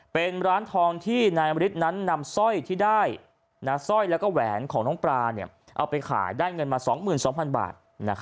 เป็นร้านทองที่นายมริดนั้นนำสร้อยที่ได้สร้อยแล้วก็แหวนของน้องปลาเอาไปขายได้เงินมา๒๒๐๐๐บาท